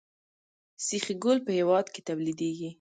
سیخ ګول په هیواد کې تولیدیږي